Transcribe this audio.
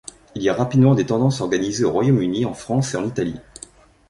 Il y a rapidement des tendances organisées au Royaume-Uni, en France et en Italie.